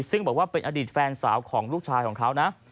ซึ่งบอกว่าเป็นอดีตแฟนสาวของลูกชายของเขานะ